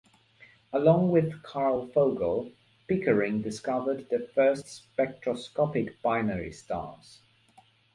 Along with Carl Vogel, Pickering discovered the first spectroscopic binary stars.